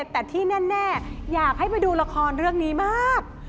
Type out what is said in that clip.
แต่ที่แน่อยากให้ไปดูละครเรื่องนี้มาก